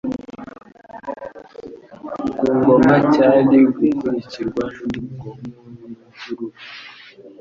ku ngoma cyari gukurikirwa n'umgomo n'imvururu,